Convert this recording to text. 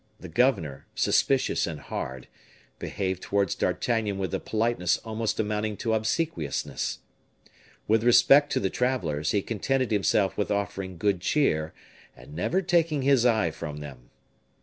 The governor, suspicious and hard, behaved towards D'Artagnan with a politeness almost amounting to obsequiousness. With respect to the travelers, he contented himself with offering good cheer, and never taking his eye from them.